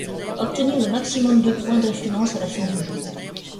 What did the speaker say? Obtenir le maximum de points d'influence à la fin du jeu.